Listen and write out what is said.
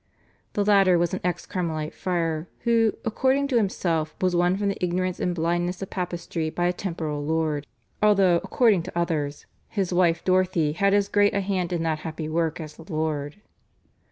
The latter was an ex Carmelite friar, who, according to himself, was won from the ignorance and blindness of papistry by a temporal lord, although according to others, "his wife Dorothy had as great a hand in that happy work as the Lord."